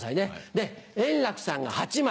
で円楽さんが８枚。